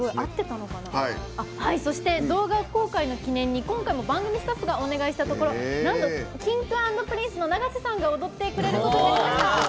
そして動画公開の記念に今回も番組スタッフがお願いしたところなんとＫｉｎｇ＆Ｐｒｉｎｃｅの永瀬さんが踊ってくれることになりました。